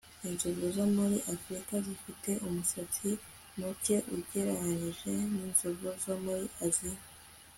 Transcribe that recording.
Inzovu zo muri Afrika zifite umusatsi muke ugereranije ninzovu zo muri Aziya